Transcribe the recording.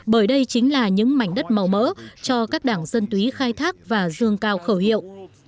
bởi đây chính là những mảnh đất màu mỡ cho các đảng dân túy khai thác và dương cao khẩu hiệu